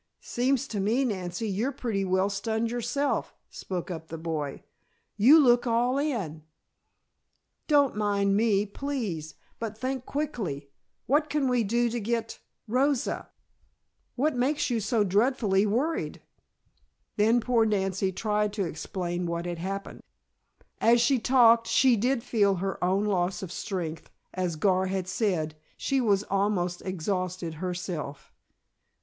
"Seems to me, Nancy, you're pretty well stunned yourself," spoke up the boy. "You look all in." "Don't mind me, please! But think, quickly! What can we do to get Rosa!" "What makes you so dreadfully worried?" Then poor Nancy tried to explain what had happened. As she talked she did feel her own loss of strength, as Gar had said, she was almost exhausted herself.